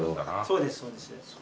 そうですそうです。